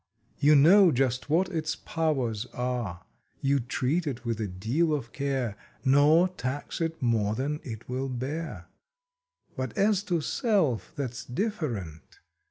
You know just what its powers are. You treat it with a deal of care, Nor tax it more than it will bear. But as to SELF that s different.